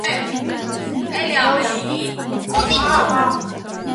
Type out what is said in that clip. Կանդինսկու մրցանակի հիմնադիր։